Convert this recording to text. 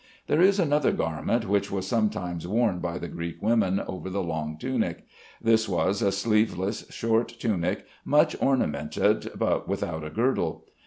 There is another garment which was sometimes worn by the Greek women over the long tunic. This was a sleeveless short tunic much ornamented, but without a girdle.